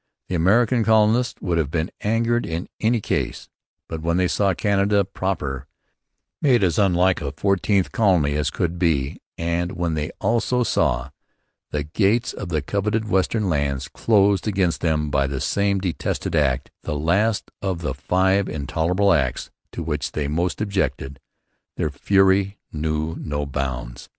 The American colonists would have been angered in any case. But when they saw Canada proper made as unlike a 'fourteenth colony' as could be, and when they also saw the gates of the coveted western lands closed against them by the same detested Act the last of the 'five intolerable acts' to which they most objected their fury knew no bounds.